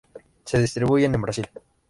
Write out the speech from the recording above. Se distribuyen en Brasil.